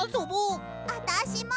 あたしも！